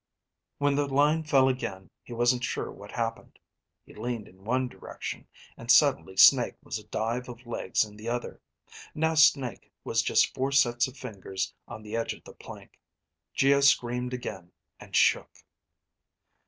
When the line fell again, he wasn't sure just what happened. He leaned in one direction, and suddenly Snake was a dive of legs in the other. Now Snake was just four sets of fingers on the edge of the plank. Geo screamed again and shook.